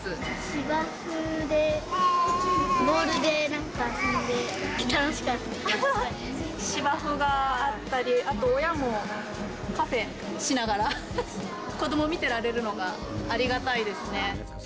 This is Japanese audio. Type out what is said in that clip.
芝生でボールでなんか遊んで、芝生があったり、あと親もカフェしながら、子どもを見てられるのがありがたいですね。